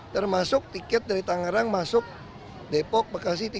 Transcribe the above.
termasuk tiket dari tangerang masuk depok bekasi tiga lima